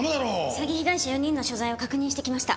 詐欺被害者４人の所在を確認してきました。